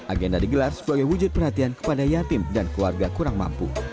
agenda digelar sebagai wujud perhatian kepada yatim dan keluarga kurang mampu